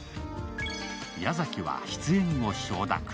矢崎は出演を承諾。